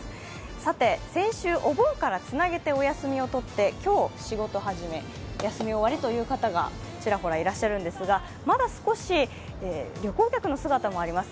さて、先週お盆からつなげてお休みをとって今日仕事始め、休み終わりという方がちらほらいらっしゃるんですが、まだ少し旅行客の姿もあります。